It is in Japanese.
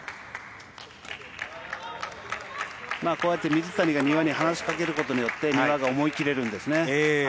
こうやって水谷が丹羽に話しかけることによって丹羽が思い切れるんですね。